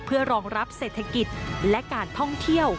เพื่อรองรับเศรษฐกิจและการท่องเที่ยว